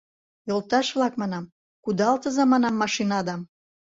— Йолташ-влак, манам, кудалтыза, манам, машинадам.